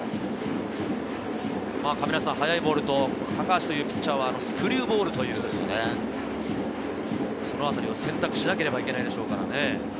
速いボールと、高橋というピッチャーはスクリューボールという、そのあたりを選択しなければいけないでしょうからね。